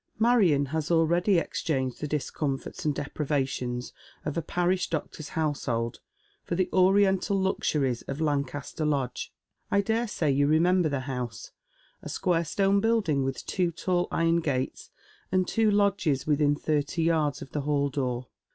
Marion has already exchanged the discomforts and deprivations of a parish doctor's household for the Oriental luxuries of Lancaster Lodge. I daresay you remember the house, a square stone building with two tall iron gates, and two lodges within thirty yards of the hall door.